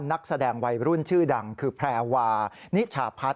นักแสดงวัยรุ่นชื่อดังคือแพรวานิชาพัฒน